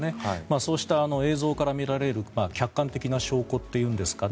そうした映像から見られる客観的な証拠というんですかね